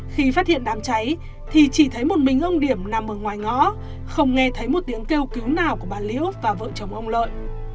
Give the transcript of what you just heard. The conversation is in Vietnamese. khi phát hiện đám cháy thì chỉ thấy một mình ông điểm nằm ở ngoài ngõ không nghe thấy một tiếng kêu cứu nào của bà liễu và vợ chồng ông lợi